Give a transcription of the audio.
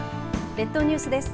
列島ニュースです。